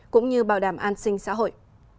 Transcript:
cũng như bảo đảm an sinh xã hội